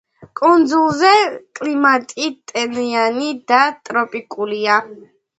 კუნძულზე კლიმატი ტენიანი და ტროპიკულია.